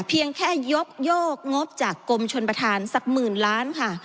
เพียงแค่ยกโยกงบจากกรมชนประธานสักหมื่นล้านค่ะ